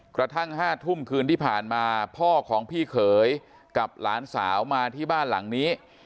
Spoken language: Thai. กระทั่ง๕ทุ่มคืนที่ผ่านมาพ่อของพี่เขยกับหลานสาวมาที่บ้านหลังนี้